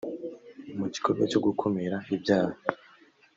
mu gikorwa cyo gukumira ibyaha